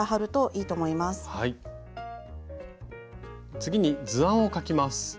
次に図案を描きます。